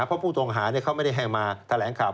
เพราะผู้ต้องหาเขาไม่ได้ให้มาแถลงข่าว